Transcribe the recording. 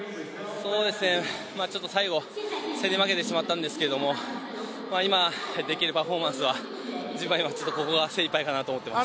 ちょっと最後、競り負けてしまったんですけれども今、できるパフォーマンスは自分はここが精いっぱいかなと思っています。